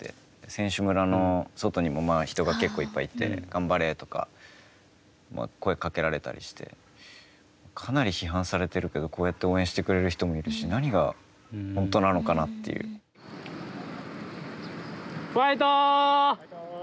選手村の外にも人が結構いっぱいいて、頑張れとか、声をかけられたりして、かなり批判されてるけどこうやって応援してくれる人もいるし、何が本当なのかなというファイト！